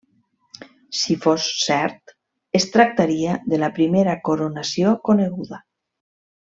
Si fos cert, es tractaria de la primera coronació coneguda.